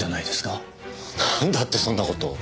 なんだってそんな事を。